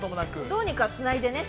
◆どうにかつないでね。